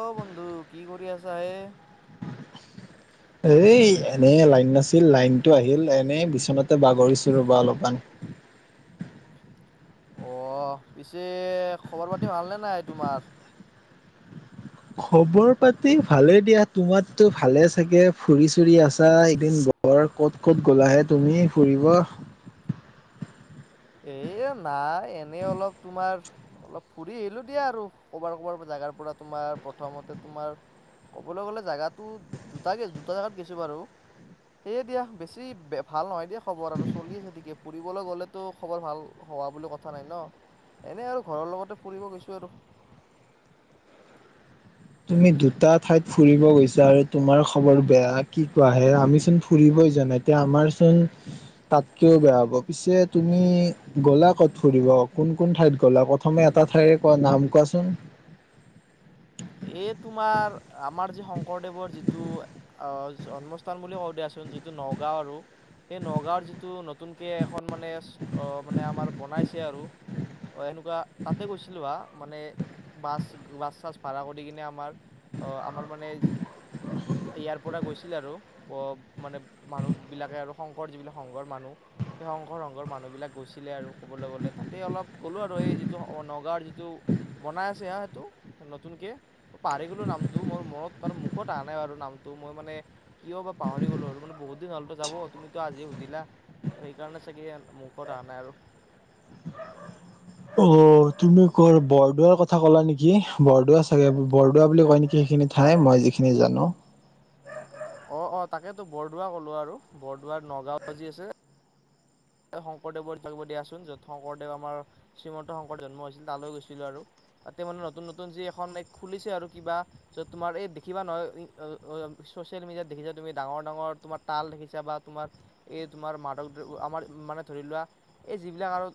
অ', বন্ধু কি কৰি আছা এ এই এনে লাইন নাছিল লাইনতটো আহিল এনেই বিচনাতে বাগৰিছো ৰ'বা অলপমান অ', পিছে খবৰ পাতি ভালনেে নাই তোমাৰ খবৰ পাতি ভালে দিয়া তোমাৰতটো ভালে চাগে ফুৰি চুৰি আছা এদিন ঘৰ ক'ত ক'ত গ'লাহে তুমি ফুৰিব এ নাই এনে অলপ তোমাৰ অলপ ফুৰি আহিলোঁ দিয়া আৰু ক'বাৰ ক'বাৰ জোগাৰ পৰা তোমাৰ প্ৰথমতে তোমাৰ ক'বলৈ গ'লে জোগাটো দুটা দুটা জেগাত গৈছোঁ বাৰু এইে দা বেছি বে ভাল নহয় দেই খবৰ আৰু চলি আছে ঠিকে ফুৰিবলৈ গ'লে তো খবৰ ভাল হোৱা বুলি কথা নাই ন এনে আৰু ঘৰৰ লগতে ফুৰিব গৈছোঁ আৰু তুমি দুটা ঠাইত ফুৰিব গৈছা আৰু তোমাৰ খবৰ বেয়া কি কোৱা হে আমি চোন ফুৰিবই জান এতিয়া আমাৰচোন তাতকেও বেয়া হ'ব পিছে তুমি গ'লা ক'ত ফুৰিব কোন কোন ঠাইত গ'লা ক'ত প্ৰথমে এটা ঠাইৰে কোৱা নাম কোৱাচোন এই তোমাৰ আমাৰ যি শংকৰদেৱৰ যিটো আহ জন্মস্থান বুলি কওঁ দিয়াচোন যিটো নগাঁও আৰু সেই নগাঁওৰ যিটো নতুনকে এখন মানে মানে আমাৰ বনাইছে আৰু অ', এনেকুৱা তাতে গৈছিলোঁ হ মানে বাছ বাছ চছ ভাড়া কৰি কিনে আমাৰ আমাৰ মানে ইয়াৰ পৰা গৈছিল আৰু মানে মানুহবিলাকে আৰু শংকৰ যিবিলাক শকৰ মানুহ সেই সংঘৰ সংঘৰ মানুহবিলাক গৈছিলে আৰু ক'বলৈ গ'লে তাতেই অলপ গ'লোঁ আৰু এই যিটো নগাঁওৰ যিটো বনাই আছে সেইটো নতুনকৈ পাহাৰৰি গ'লো নামটো মোৰ মনত তাৰ মুখত অহা নাই বাৰু নামটো মই মানে কিয় বাৰ পাহৰি গলো আৰু মান বহুত দিন হলে যাব তুমিতো আজি সুধিলা তো সেইকাৰণে চাগে মুখত অহা নাই আৰু অ', তুমি ক বৰদোৱাৰ কথা ক'লা নেকি বৰদোৱা চাগে বৰদোৱা বুলি কয় নেকি সেইখিনিত খাই মই যিখিনি জানো অ', অ', তাকেতো বৰদোৱা কলো আৰু বৰদোৱাৰ নগাঁও যি আছে শংকৰদেৱৰ দিয়াচোন য'ত শংকৰদেৱ আমাৰ শ্ৰীমন্ত শংকৰ জন্ম হৈছিল তালৈ গৈছিলো আৰু তাতে মানে নতুন নতুন যি এখন এক খুলিছে আৰু কিবা য' তোমাৰ এই দেখিবা নহয় ছ'চিয়েল মিডিয়াত দেখিছা তুমি ডাঙৰ ডাঙৰ তোমাৰ তাল দেখিছা বা তোমাৰ এই তোমাৰ মাদক আমাৰ মানে ধৰি লোৱা এই যিবিলাক আৰু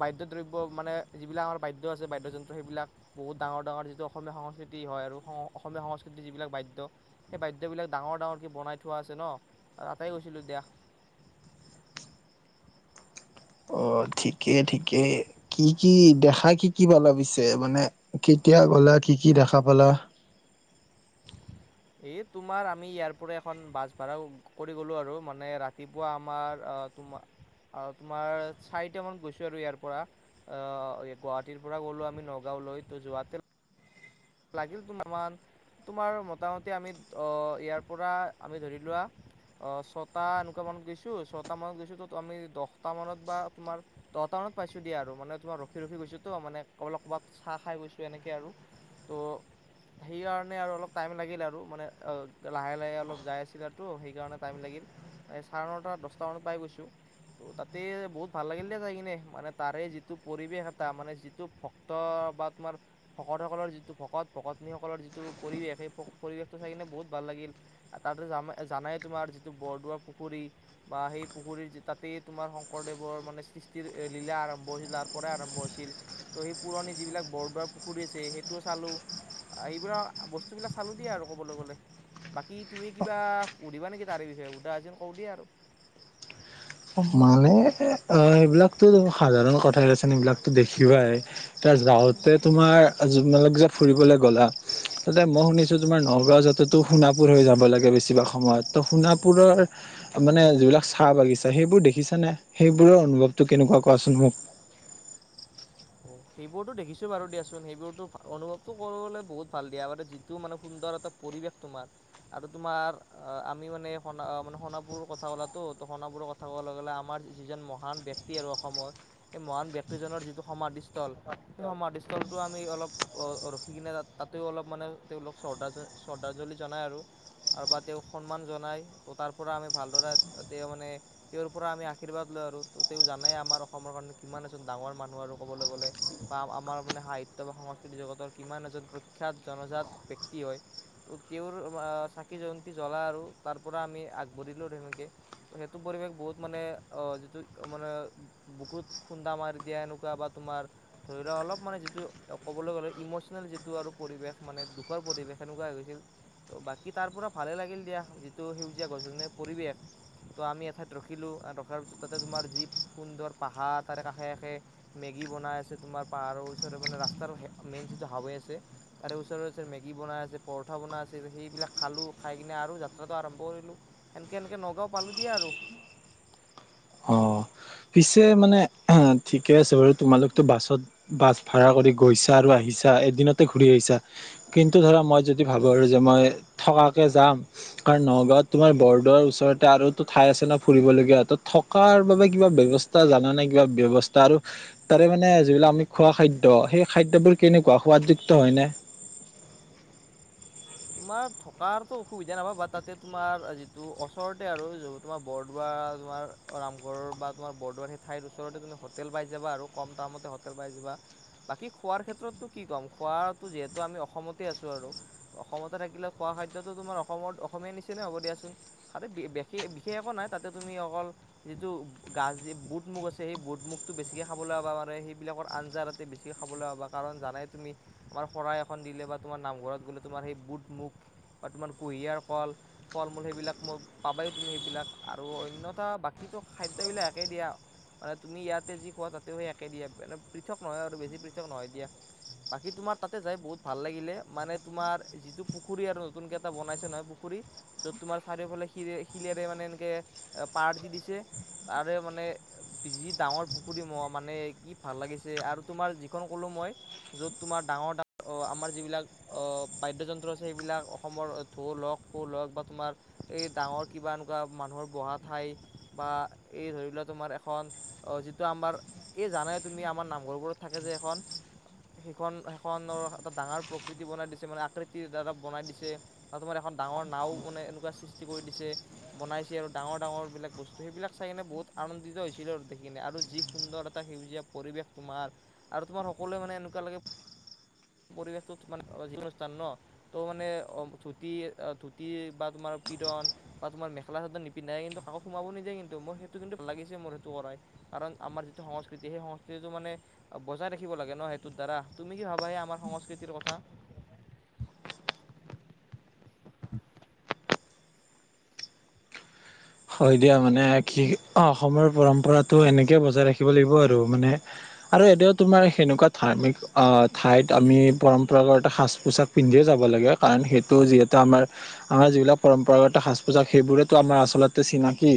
বাদ্য দ্ৰব্য মানে যিবিলাক আমাৰ বাদ্য আছে বাদ্যযন্ত্ৰ সেইবিলাক বহুত ডাঙৰ ডাঙৰ যিটো অসমীয়া সংস্কৃতি হয় আৰু অসমীয়া সংস্কৃতিৰ যিবিলাক বাদ্য সেই বাদ্যবিলাক ডাঙৰ ডাঙৰ কি বনাই থোৱা আছে ন তাতেই গৈছিলোঁ দিয়া অ' ঠিকেই ঠিকেই কি কি দেখা কি কি পালা পিছে মানে কেতিয়া গলা কি কি দেখা পালা এই তোমাৰ আমি ইয়াৰ পৰা এখন বাছ ভাড়াও কৰি গ'লোঁ আৰু মানে ৰাতিপুৱা আমাৰ তোমাৰ আৰু তোমাৰ চাৰিট মান গৈছো আৰু ইয়াৰ পৰা অ', গুৱাহাটীৰ পৰা গ'লো আমি নগাঁও লৈ ত যোৱাতেল লাগিল তোমান তোমাৰ মোটামুটি আমি ইয়াৰ পৰা আমি ধৰি লোৱা আহ, ছটা এনেকুৱা মানত গৈছোঁ ছট মানত গৈছোঁ তো আমি দহট মানত বা তোমাৰ দহট মানত পাইছো দিয়া আৰু মানে তোমাৰ ৰখি ৰখি গৈছো ত মানে কব ক'ৰবাত চাহ খাই গৈছো এনেকে আৰু তো [inaudible] সেইকাৰণে আৰু অলপ টাইম লাগিল আৰু মানে লাহে লাহে অলপ যাই আছিলতো সেইকাৰণে টাইম লাগিল। এই চাৰ ন তটা দহটামানত পাই গৈছোঁ ত' তাতেই বহুত ভাল লাগিলে যাই কিনে মানে তাৰে যিটো পৰিৱেশ এটা মানে যিটো ভক্ত বা তোমাৰ ভকতসকলৰ যিটো ভকত ভকতীসকলৰ যিটো পৰিৱেশ সেই পৰিৱেশটো চাই কিনে বহুত ভাল লাগিল। তাতে জানাই তোমাৰ যিটো বৰদোৱা পুখুৰী বা সেই পুখুৰীৰ তাতেই তোমাৰ শংকৰদেৱৰ মানে সৃষ্টিৰ লীলা আৰম্ভ হৈছিল তাৰ পৰাই আৰম্ভ হৈছিল। ত' সেই পুৰণি যিবিলাক বৰদোৱাৰ পুখুৰী আছে সেইটো চালোঁ এইবিল বস্তুবিলাক চালোঁ দিয়ে আৰু ক'বলৈ গ'লে। বাকী তুমি কিবা সুধিবা নেকি তাৰে বিষয়ে সোধা এজন কওঁ দেই আৰু মানে অ', সেইবিলাকতো সাধাৰণ কথাই আছে এইবিলাকতো দেখিবাই। এতি যাওঁতে তোমাৰ মাল যত ফুৰিবলৈ গ'লা তাতে মই শুনিছো তোমাৰ নগাঁও যাতে তো সোণাপুৰ হৈ যাব লাগে বেছিভাগ সময়ত ত সোণাপুৰৰ মানে যিবিলাক চাহ বাগিচা সেইবোৰ দেখিছ নে সেইবোৰৰ অনুভৱতটো কেনেকুৱা কোৱাচোন মোক অ', সেইবোৰতো দেখিছোঁ বাৰু দিয়াচোন সেইবোৰতো অনুভৱটো কৰিবলৈ বহুত ভাল দিয়া বাৰু যিটো মানে সুন্দৰ এটা পৰিৱেশ তোমাৰ আৰু তোমাৰ আমি মানে সোণ ম সণাপুৰৰ কথা কলাতো ত সোাপুৰৰ ক থব লগ'লে আমাৰ যিজন মহান ব্যক্তি আৰু অসমৰ সেই মহান ব্যক্তিজনৰ যিটো সমাধিস্থল সেই সমাধিস্থলটো আমি অলপ ৰখি কিনে ত তাতেও অলপ মানে তেওঁলোক শ্ৰদ্ধাল শ্ৰদ্ধাঞ্জলি জনায় আৰু আৰু বা তেওঁক সন্মান জনাই ত তাৰ পৰা আমি ভালদৰে তেওঁ মানে তেওঁৰ পৰা আমি আশীৰ্বাদ লৈ আৰু ত তেওঁ জানে আমাৰ অসমৰ কাৰণে কিমান এজন ডাঙৰ মানুহ আৰু ক'বলৈ গ'লে বা আমাৰ মানে সাহিত্য বা সংস্কৃতি জগতৰ কিমান এজন প্ৰখ্যাত জনজাত ব্যয়ক্তি হয় ত তেওঁৰ চাকি জয়ন্তী জ্বলা আৰু তাৰ পৰা আমি আগবাঢ়িলো ধেনেকে সেইটো পৰিৱেশ বহুত মানে যিটো মানে বুকুত খুন্দা মাৰি দিয়া এনেকুৱা বা তোমাৰ ধৰি লোৱাক অলপ মানে যিটো ক'বলৈ গ'লে ইম'চনেল যিটো আৰু পৰিৱেশ মানে দুখৰ পৰিৱেশ সেনেকুৱা হৈছিল ত' বাকী তাৰ পৰাৰা ভালে লাগিল দিয়া যিটো সেউজীয়া গছনে পৰিৱেশ তো আমি এঠাইত ৰখিলোঁ আৰু ৰখাৰ পিছত তাতে তোমাৰ যি সুন্দৰ পাহাৰ তাৰে কাষে কাষে মেগী বনাই আছে তোমাৰ পাহাৰৰ ওচৰ মানে ৰাস্তাৰ মেইন চিটো হাৱে আছে তাৰে ওচৰে ওচৰে মেগী বনাই আছে পৰঠা বনাই আছে সেইবিলাক খালো খাই কিনে আৰু যাত্ৰাটো আৰম্ভ কৰিলোঁ এেনেকে এনেকে নগাঁও পালো দিয়া আৰু অঁ পিছে মানে ঠিকে আছে বাৰু তোমালোকতো বাছত বাছ ভাড়া কৰি গৈছা আৰু আহিছা এদিনতে ঘূৰি আহিছা কিন্তু ধৰা মই যদি ভাবোঁ আৰু যে মই থকাকৈ যাম কাৰ নগাঁওত তোমাৰ বৰদোৱাৰ ওচৰতে আৰুো ঠাই আছে ন ফুৰিবলগীয়া হ ত থকাৰ বাবে কিবা ব্যৱস্থা জানা নে কিবা ব্যয়ৱস্থা আৰু তাৰে মানে যিবিলাক আমি খোৱা খাদ্য সেই খাদ্যবোৰ কেনেকুৱা সাদযুক্ত হয় ন তোমাৰ থকাৰটোো অসুবিধা নাপাব বা তাতে তোমাৰ যিটো ওচৰতে আৰু য তোমাৰ বৰদোৱা তোমাৰ ৰামঘৰ বা তোমাৰ বৰদোৱাৰাৰ সেই ঠাইৰ ওচৰতে তুমি হোটেল পাই যাবা আৰু কম টামমতে হোটেল বাই যিবা বাকী খোৱাৰ ক্ষেত্ৰতো কি ক'ম খোৱাাতটো যিহেতু আমি অসমতে আছোঁ আৰু অসমতে থাকিলে খোৱা খাদ্যটো তোমাৰ অসমত অসমীয় নিচি ন হ'ব দিয়াচোন তাতে বিশেষ বিশেষ একো নাই তাতে তুমি অকল যিটো গাজ বুট মুগ আছে সেই বুট মুগতটো বেছিকে খাবলৈাব পাৰে সেইবিলাকৰ আঞজাৰাতে বেছি সঠ খাবলৈ ভ'বা কাৰণ জানে তুমি আমাৰ শৰাই এখন দিলে বা তোমাৰ নামঘৰত গ'লে তোমাৰ সেই বুট মুখ বৰ্তমান কুঁহিয়াৰ কল ফল মূল সেইবিলাক মই পাবায় তুমি সেইবিলাক আৰু অন্যথা বাকীতো খাদ্যবিলাক একেই দিয়া মানে তুমি ইয়াতে যি খোৱা তাতেও সেই একে দিয়া ম পৃথক নহয় আৰু বেছি পৃথক নহয় দিয়া বাকী তোমাৰ তাতে যাই বহুত ভাল লাগিলে মানে তোমাৰ যিটো পুখুৰী আৰু নতুনকে এটা বনাইছে নহয় পুখুৰী চ'ত তোমাৰ চাৰিওফালে শিল শিলেৰে মানে এনেকে পাৰ দি দিছে তাৰে মানে যি ডাঙৰ পুখুৰী মহ মানে কি ভাল লাগিছে আৰু তোমাৰ যিখন ক'লো মই য'ত তোমাৰ ডাঙৰ ডাঙৰ আমাৰ যিবিলাক বাদ্যযন্ত্ৰ আছে সেইবিলাক অসমৰ ঢোল হওক শোল হওক বা তোমাৰ এই ডাঙৰ কিবা এনেকুৱা মানুহৰ বঢ়া ঠাই বা এই ধৰিবলে তোমাৰ এখন অঁ যিটো আমাৰ এই জানাই তুমি আমাৰ নামঘৰবোৰত থাকে যে এখন সেইখন সেইখনৰ এটা ডাঙৰ প্ৰকৃতি বনাই দিছে মানে আকৃতিৰ দ্বাৰা বনাই দিছে ন তোমাৰ এখন ডাঙৰ নাও মানে এনেকুৱা সৃষ্টি কৰি দিছে বনাইছে আৰু ডাঙৰ ডাঙৰবিলাক বস্তু সেইবিলাক চাই কিনে বহুত আনন্দিত হৈছিলোঁ আৰু দেখি কিনে আৰু যি সুন্দৰ এটা সেউজীয়া পৰিৱেশ তোমাৰ আৰু তোমাৰ সকলোৱে মানে এনেকুৱা লাগে পৰিৱেশটো তাৰ জিকোনো স্থান ন ত' মানে ধুতি ধুতি বা তোমাৰ পীড়ন বা তোমাৰ মেখা চাদত নিপিন্ধাই কিন্তু কাকোমাব নিদায় কিন্তুোৰ সেইটো কিন্তু ভ লাগিছে মোৰ সেইটো কৰাই কাৰণ আমাৰ যিটো সংস্কৃতি সেই সংস্কৃতিটো মানে বজাই ৰাখিব লাগে ন' সেইটোৰ দ্বাৰা, তুমি কি ভাবা এই আমাৰ সংস্কৃতিৰ কথা? হয় দিয়া মানে কি অ', অসমৰ পৰম্পৰাটো এনেকে বজাই ৰাখিব লাগিব আৰু মানে আৰু এতিয়াও তোমাৰ সেনেকুৱা ধাৰ্মিক আ, ঠাইত আমি পৰম্পৰাগত সাজ পোছাক পিন্ধিয়ে যাব লাগে কাৰণ সেইটো যিহেতু আমাৰ আমাৰ যিবিলাক পৰম্পৰাগত সাজ পোচাক সেইবোৰেতো আমাৰ আচলতে চিনাকি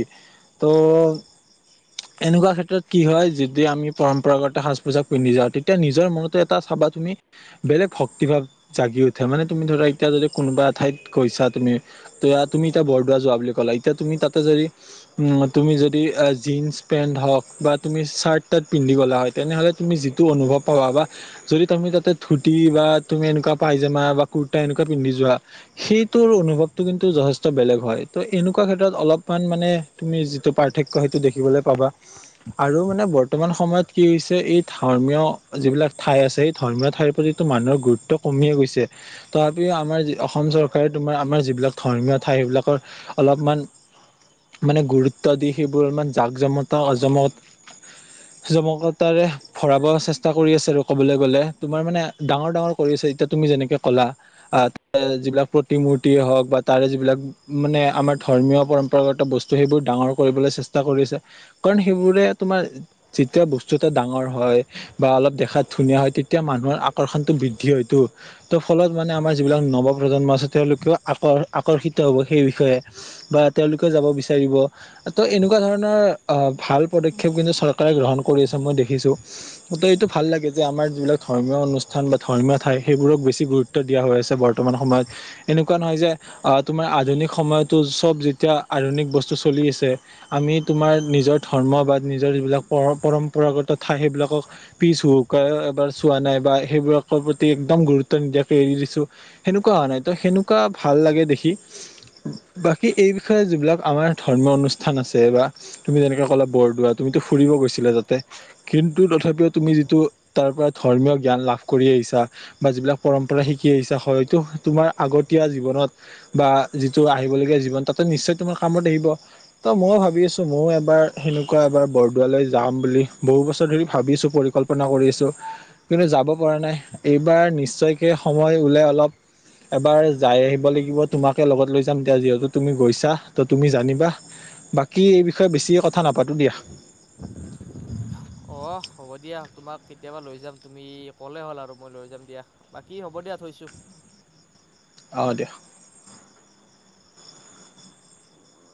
ত' এনেকুৱা ক্ষেত্ৰত কি হয় যদি আমি পৰম্পৰাগত সাজ পোচাক পিন্ধি যাওঁ তেতিয়া নিজৰ মনতো এটা চাবা তুমি বেলেগ শক্তি ভাৱ জাগি উঠে মানে তুমি ধৰা এতিয়া যদি কোনোবা এ ঠাইত গৈছা তুমি তয়া তুমি এতিয়া বৰদোৱা যোৱা বুলি ক'লা, এতিয়া তুমি তাতে যদি তুমি যদি জীন্স পেন্ট হওঁক বা, তুমি চাৰ্ট তাৰ্ত পিন্ধি গলা হয় তেনেহলে তুমি যিটো অনুভৱ পাবা যদি তুমি তাতে ধুতি বা তুমি এনেকুৱা পাইজামা বা কুুৰ্তা এনেকুৱা পিন্ধি যোৱা সেইটোৰ অনুভৱটো কিন্তু যথেষ্ট বেলেগ হয় ত' এনেকুৱা ক্ষেত্ৰত অলপ মান মানে তুমি যিটো পাৰ্থক্য সেইটো দেখিবলৈ পাবা। আৰু মানে বৰ্তমান সময়ত কি হৈছে, এই ধৰ্মীয় যিবিলাক ঠাই আছে, এই ধৰ্মীয় ঠাইৰ প্ৰতি মানুহৰ গুৰুত্ব কমিয়ে গৈছে। তথাপিও আমাৰ যি অসম চৰকাৰে তোমাৰ আমাৰ যিবিলাক ধৰ্মীয় ঠাই সেইবিলাকৰ অলপমান মানে গুৰুত্ব দি সেইবোৰ অলপমান জাক জমতা জমক জমকতাৰে ভৰাব চেষ্টা কৰি আছে আৰু ক'বলৈ গ'লে, তোমাৰ মানে ডাঙৰ ডাঙৰ কৰিছে এতিয়া তুমি যেনেকে ক'লা। আ, যিবিলাক প্ৰতিমূৰ্তি হওক বা তাৰে যিবিলাক মানে আমাৰ ধৰ্মীয় পৰম গত বস্তু সেইবোৰ ডাঙৰ কৰিবলৈ চেষ্টা কৰিছে, কাৰণ সেইবোৰে তোমাৰ যেতিয়া বস্তু এটা ডাঙৰ হয়। বা অলপ দেখাত ধুনীয়া হয় তেতিয়া মানুহৰ আকৰ্ষণটো বৃদ্ধি হয়টো। ত' ফলত মানে আমাৰ যিবিলাক নৱপ্ৰজন্ম আছে তেওঁলোকেও আকৰ আকৰ্ষিত হ'ব সেই বিষয়ে। বা তেওঁলোকেও যাব বিচাৰিব। ত' এনেকুৱা ধৰণৰ আ, ভাল পদক্ষেপ কিন্তু চৰকাৰে গ্ৰহণ কৰি আছে মই দেখিছো কথা এইটো ভাল লাগে যে আমাৰ যিবিলাক ধৰ্মীয় অনুষ্ঠান বা ধৰ্মীয় ঠাই সেইবোৰক বেছি গুৰুত্ব দিয়া হৈ আছে বৰ্তমান সময়ত, এনেকুৱা নহয় যে আ, তোমাৰ আধুনিক সময়তো চব যে এতিয়া আধুনিক বস্তু চলি আছে। আমি তোমাৰ নিজৰ ধৰ্ম বা নিজৰ যিবিলাক পৰম পৰম্পৰাগত ঠাই সেইবিলাকক পিছ হুকাৰ এবাৰ চোৱা নাই বা সেইবোৰক প্ৰতি একদম গুৰুত্ব নিদিয়াকে এৰি দিছো। সেনেকুৱা হোৱা নাই ত' সেনেকুৱা ভাল লাগে দেখি বাকী এই বিষয়ে যিবিলাক আমাৰ ধৰ্মীয় অনুষ্ঠান আছে বা তুমি যেনেকুৱা ক'লা বৰদোৱা তুমিতো ফুৰিব গৈছিলা তাতে কিন্তু তথাপিও তুমি যিটো তাৰ পৰা ধৰ্মীয় জ্ঞান লাভ কৰি আহিছা বা যিবিলাক পৰমম্পৰা শিকি আহিছা হয়তো তোমাৰ আগতীয়া জীৱনত বা যিটো আহিবলগীয়া জীৱন তাতে নিশ্চয় তোমাৰ কামত আহিব। ত' ময়ো ভাবিআছোঁ, ময়ো এবাৰ সেনেকুৱা এবাৰ বৰদোৱালৈ যাম বুলি বহু বছৰ ধৰি ভাবিছো পৰিকল্প প্ৰাথৰ্না কৰি আছোঁ, কিন্তু যাব পৰা নাই এইবাৰ নিশ্চয়কে সময় ওলাই অলপ এবাৰ যাই আহিব লাগিব তোমাকে লগত লৈ যাম দিয়া যিহেতু তুমি গৈছা ত' তুমি জানিবা বাকী এই বিষয়ে বেছিকে কথা নাপাতো দিয়া। [inaudible] অ', হ'ব দিয়া তোমাক কেতিয়াবা লৈ যাম তুমি ক'লে হ'ল আৰু মই লৈ যাম দিয়া। বাকী হ'ব দিয়া থৈছো। অ', দিয়া।